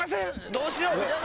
どうしよう。